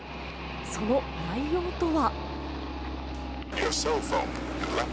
その内容とは。